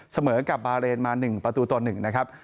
เสมอกับบาเรนมา๑ประตูต่อ๑นะครับ